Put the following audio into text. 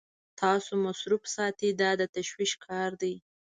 تاسو مصروف ساتي دا د تشویش کار دی.